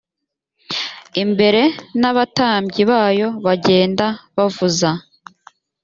imbere n abatambyi bayo bagenda bavuza